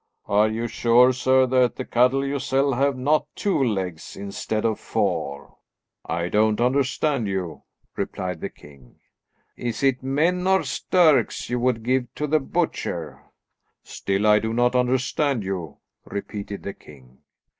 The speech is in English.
"Are you sure, sir, that the cattle you sell have not two legs instead of four?" "I don't understand you," replied the king. "Is it men or stirks, you would give to the butcher?" "Still I do not understand you," repeated the king.